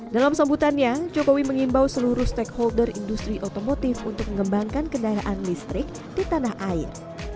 dalam sambutannya jokowi mengimbau seluruh stakeholder industri otomotif untuk mengembangkan kendaraan listrik di tanah air